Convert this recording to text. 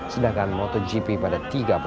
sedangkan motogp pada tiga belas lima belas oktober